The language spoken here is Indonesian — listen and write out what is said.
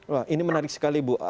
wah ini menarik sekali bu